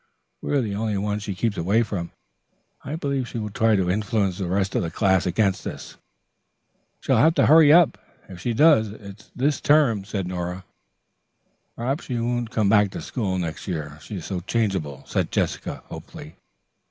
We are the only ones she keeps away from. I believe she will try to influence the rest of the class against us." "She'll have to hurry up if she does it this term," said Nora. "Perhaps she won't come back to school next year, she is so changeable," said Jessica hopefully.